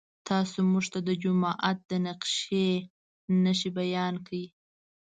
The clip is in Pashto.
تاسو موږ ته د جومات د نقشې نښې بیان کړئ.